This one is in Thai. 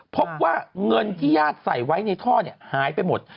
พบว่าเงินที่ญาติใส่ไว้ในท่อหายไปหมด